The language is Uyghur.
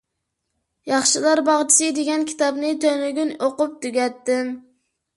«ياخشىلار باغچىسى» دېگەن كىتابنى تۈنۈگۈن ئوقۇپ تۈگەتتىم.